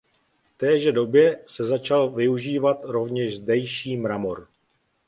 V téže době se začal využívat rovněž zdejší mramor.